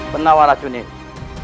penawar racun ini